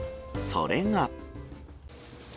それが。